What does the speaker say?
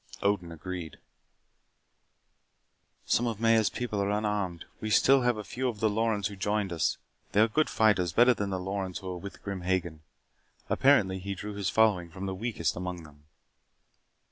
Odin agreed. "Some of Maya's people are unarmed. We still have a few of the Lorens who joined us. They are good fighters. Better than the Lorens who are with Grim Hagen. Apparently, he drew his following from the weakest among them."